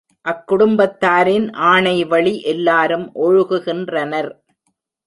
அக்குடும்பத்தாரின் ஆணைவழி எல்லாரும் ஒழுகுகின்றனர்.